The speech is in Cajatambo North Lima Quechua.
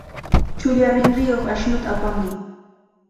Chulla rinriyuq ashnuta apamuy.